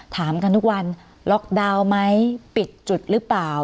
ถามกันทุกวันล็อกดาวน์ไหมปิดจุดหรือเปล่า